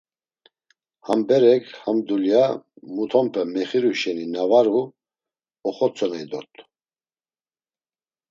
Ham berek ham dulya mutonpe mexiru şeni na var u, oxotzoney dort̆u.